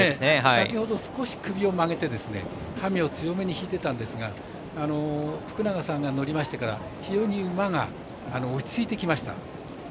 先ほど少し首を曲げてハミを強めに引いてたんですが福永さんが乗りましてから非常に馬が落ち着いてきました。